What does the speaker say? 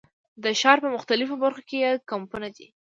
د ښار په مختلفو برخو کې یې کمپونه دي.